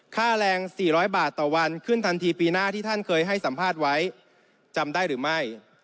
ค่าแรง๔๐๐บาทต่อวันขึ้นทันทีปีหน้าที่ท่านเคยให้สัมภาษณ์ไว้จำได้หรือไม่